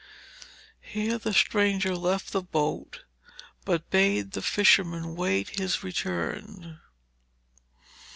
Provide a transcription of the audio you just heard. Here the stranger left the boat, but bade the fisherman wait his return.